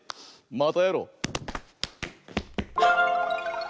またやろう！